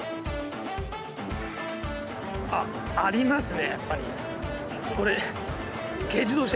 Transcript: あっありますねやっぱり。